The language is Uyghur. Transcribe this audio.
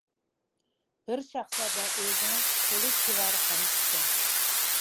بىر شاھزادە ئۆزىڭىز، قۇلى چېۋەر ھەم ئىشچان.